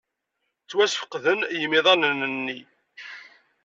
Ttwasfeqden yimiḍanen-nni.